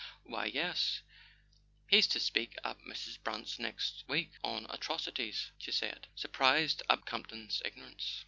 " "Why, yes; he's to speak at Mrs. Brant's next week on Atrocities," she said, surprised at Campton's ig¬ norance.